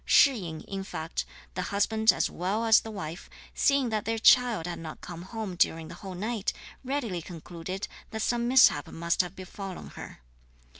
Shih yin in fact, the husband as well as the wife seeing that their child had not come home during the whole night, readily concluded that some mishap must have befallen her.